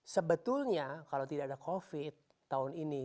sebetulnya kalau tidak ada covid tahun ini